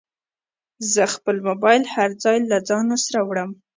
زه خپل موبایل هر ځای له ځانه سره وړم.